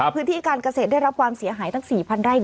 พื้นที่การเกษตรได้รับความเสียหายตั้ง๔๐๐ไร่